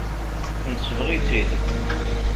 Nesbeɣ-itt-id.